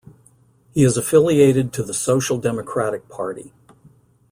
He is affiliated to the Social Democratic Party.